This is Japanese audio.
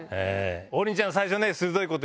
王林ちゃん最初鋭いこと。